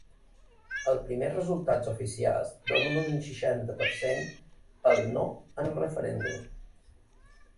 Els primers resultats oficials donen un seixanta per cent al ‘no’ en el referèndum.